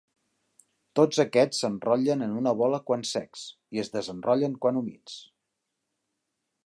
Tots aquests s'enrotllen en una bola quan secs i es desenrotllen quan humits.